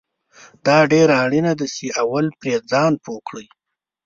دا ډیره اړینه ده چې اول پرې ځان پوه کړې